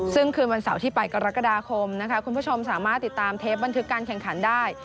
ซึ่งคืนวันเสาร์ที่๘กรกฎาคมนะคะคุณผู้ชมสามารถติดตามเทปบันทึกการแข่งขันได้